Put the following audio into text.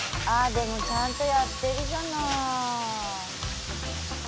でもちゃんとやってるじゃない」